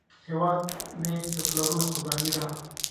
هیواد مې د پلرونو قرباني ده